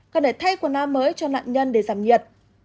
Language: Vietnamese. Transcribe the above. cần để thay quần áo mới cho nặn nhân để giảm nhiệt